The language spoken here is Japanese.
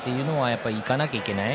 やっぱり行かなきゃいけない。